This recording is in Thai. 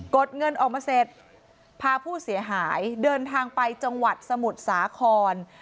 ดเงินออกมาเสร็จพาผู้เสียหายเดินทางไปจังหวัดสมุทรสาคร